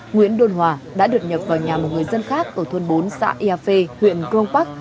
nguyễn đôn hòa đã đột nhập vào nhà một người dân khác ở thôn bốn xã ia phê huyện crong park